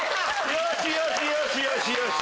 よしよしよしよし！